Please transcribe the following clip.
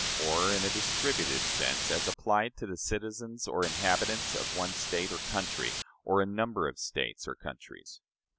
or in a distributive sense, as applied to the citizens or inhabitants of one state or country or a number of states or countries.